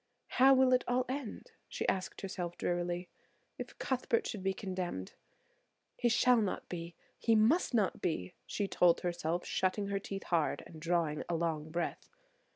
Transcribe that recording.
"How will it all end," she asked herself drearily, "if Cuthbert should be condemned? He shall not be; he must not be," she told herself, shutting her teeth hard and drawing a long breath.